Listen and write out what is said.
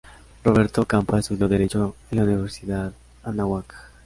Roberto Campa estudió Derecho en la Universidad Anáhuac.